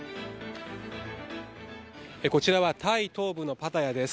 こちらはタイ東部のパタヤです。